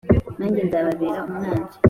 Nanjye nzababera umwanzi